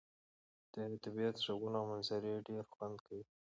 د طبيعت ږغونه او منظرې ډير خوند کوي.